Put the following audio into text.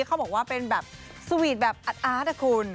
เขาบอกว่าเป็นแบบสวีทแบบอัดอะคุณ